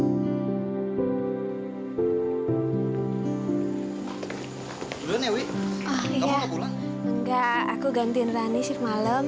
enggak aku gantiin rani sir malem